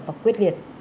và khuyết liệt